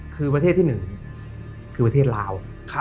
คือประเทศที่๑คือประเทศลาว